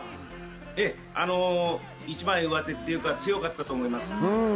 ええ、一枚上手というか、強かったと思います。